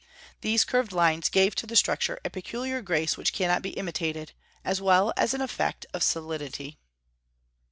These curved lines gave to the structure a peculiar grace which cannot be imitated, as well as an effect of solidity.